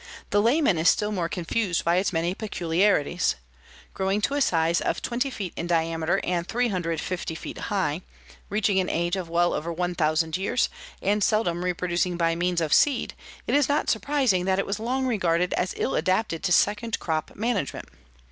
The layman is still more confused by its many peculiarities. Growing to a size of 20 feet in diameter and 350 feet high, reaching an age of well over 1,000 years and seldom reproducing by means of seed, it is not surprising that it was long regarded as ill adapted to second crop management.